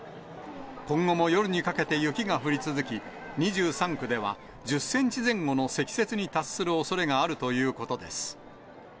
今後も夜にかけて雪が降り続き、２３区では１０センチ前後の積雪に達するおそれがあるということです。